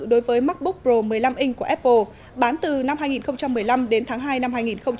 đối với macbook pro một mươi năm inch của apple bán từ năm hai nghìn một mươi năm đến tháng hai năm hai nghìn hai mươi